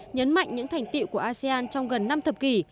nhấn mạnh những thành tiệu của asean trong gần năm thập kỷ